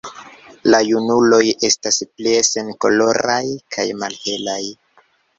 La junuloj estas pli senkoloraj kaj malhelaj.